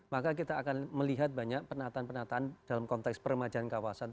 maka kita akan melihat banyak penataan penataan dalam konteks peremajaan kawasan